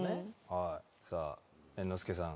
はいさあ猿之助さん